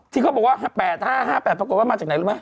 ที่เขาบอกว่า๘๕๕๘ปรากฏว่ามาจากไหนรู้ไหม